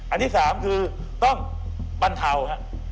อันที่๓คือต้องบรรเทาฮะ